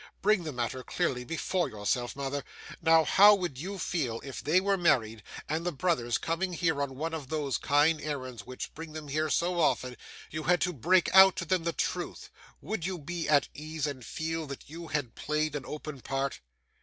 Bring the matter clearly before yourself, mother. Now, how would you feel, if they were married, and the brothers, coming here on one of those kind errands which bring them here so often, you had to break out to them the truth? Would you be at ease, and feel that you had played an open part?